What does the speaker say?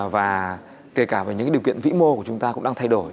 và kể cả với những điều kiện vĩ mô của chúng ta cũng đang thay đổi